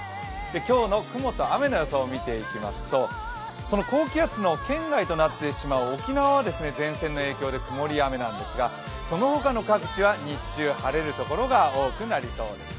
今日の雲と雨の予想を見ていきますと、高気圧の圏外となってしまう沖縄は前線の影響で曇りや雨なんですが、その他の各地は日中晴れるところが多くなりそうです。